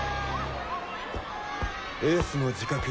エースの自覚